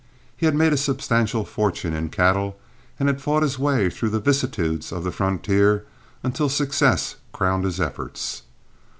He had made a substantial fortune in cattle, and had fought his way through the vicissitudes of the frontier until success crowned his efforts.